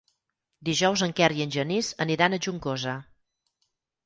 Dijous en Quer i en Genís aniran a Juncosa.